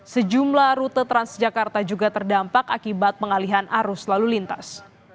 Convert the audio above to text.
sejumlah rute transjakarta juga terdampak akibat pengalihan arus lalu lintas